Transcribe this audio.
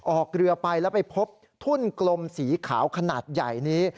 ออกเรือไปแล้วไปพบทุ่นกลมสีขาวขนาดใหญ่นี้